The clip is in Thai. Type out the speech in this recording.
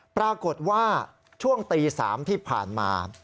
ปรากฏว่าช่วงตี๓ที่ผ่านมา